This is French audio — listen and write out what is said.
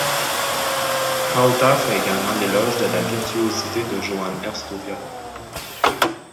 Kraüter fait également l'éloge de la virtuosité de Johann Ernst au violon.